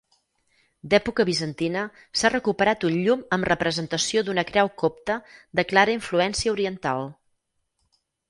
D'època bizantina s'ha recuperat un llum amb representació d'una creu copta de clara influència oriental.